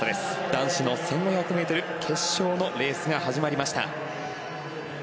男子の１５００ｍ決勝のレースが始まりました。